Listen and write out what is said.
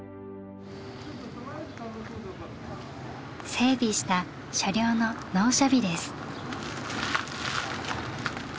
整備した車両の納車日です。